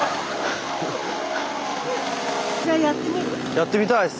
やってみたいです。